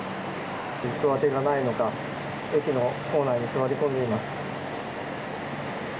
行く当てがないのか駅の構内に座り込んでいます。